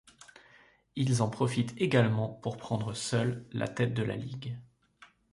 Ils en profitent également pour prendre seuls la tête de la ligue.